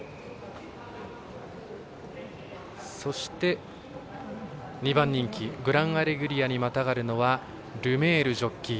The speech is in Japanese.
そして、２番人気グランアレグリアにまたがるのはルメールジョッキー。